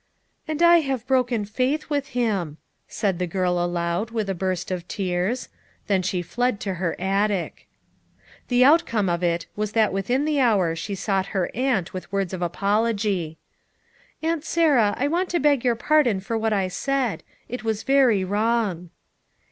"And I have broken faith with him," said the girl aloud with a burst of tears. Then she fled to her attic. The outcome of it was that within the hour she sought her aunt with words of apology. "Aunt Sarah, I want to beg your pardon for what I said ; it was very wrong."